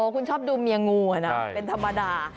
คุณชอบดูเมียงูนะเป็นธรรมดา